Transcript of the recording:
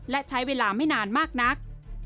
และใช้เวลาไม่นานมากนัก